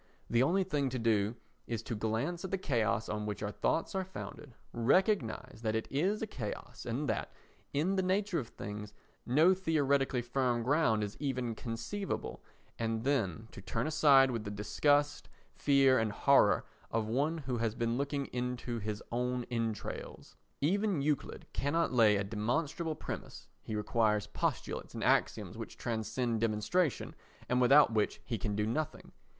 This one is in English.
The only thing to do is to glance at the chaos on which our thoughts are founded, recognise that it is a chaos and that, in the nature of things, no theoretically firm ground is even conceivable, and then to turn aside with the disgust, fear and horror of one who has been looking into his own entrails. Even Euclid cannot lay a demonstrable premise, he requires postulates and axioms which transcend demonstration and without which he can do nothing.